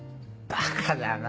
バカだな。